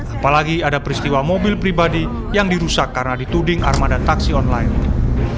apalagi ada peristiwa mobil pribadi yang dirusak karena dituding armada taksi online